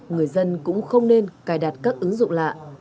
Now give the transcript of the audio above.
người dân cũng không nên cài đặt các ứng dụng lạ